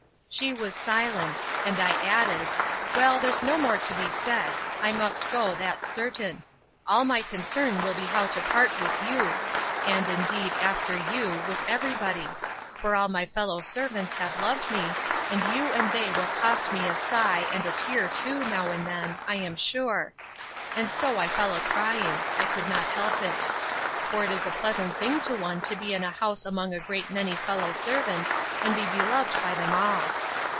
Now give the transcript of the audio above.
She was silent; and I added, Well, there's no more to be said; I must go, that's certain: All my concern will be how to part with you: and, indeed, after you, with every body; for all my fellow servants have loved me, and you and they will cost me a sigh, and a tear too, now and then, I am sure. And so I fell a crying: I could not help it. For it is a pleasant thing to one to be in a house among a great many fellow servants, and be beloved by them all.